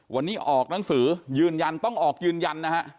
วันนี้ออกหนังสือยืนยันต้องออกยืนยันนะฮะ